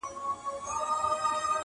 خو نتيجه نه راځي هېڅکله,